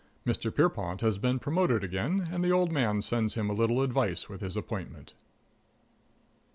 Mr. Pierrepont || has been promoted again, || and the old man sends him || a little advice with his || appointment.